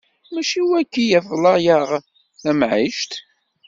Mačči wagi iḍla-yaɣ tamɛict!